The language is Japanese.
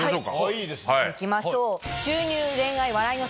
行きましょう。